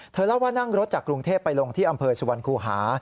เล่าว่านั่งรถจากกรุงเทพไปลงที่อำเภอสุวรรคูหา